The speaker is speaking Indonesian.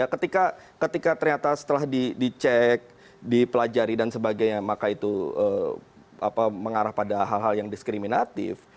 ketika ternyata setelah dicek dipelajari dan sebagainya maka itu mengarah pada hal hal yang diskriminatif